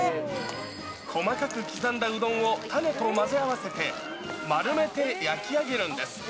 細かく刻んだうどんをタネと混ぜ合わせて、丸めて焼き上げるんです。